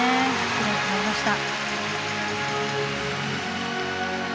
キレイに決まりました。